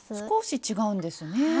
少し違うんですね。